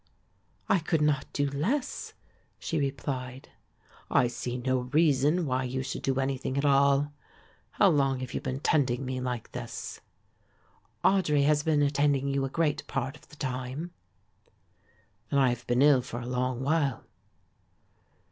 "I could not do less," she replied. "I see no reason why you should do anything at all; how long have you been tending me like this?" "Audry has been attending you a great part of the time." "Then I have been ill for a long while."